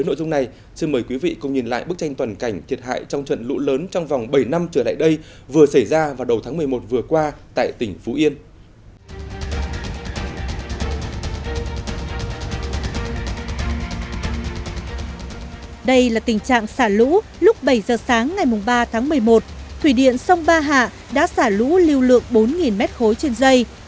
bảy h sáng ngày ba tháng một mươi một thủy điện sông ba hạ đã xả lũ lưu lượng bốn m ba trên dây